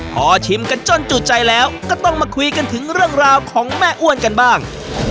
พอชิมกันจนจุดใจแล้วก็ต้องมาคุยกันถึงเรื่องราวของแม่อ้วนกันบ้าง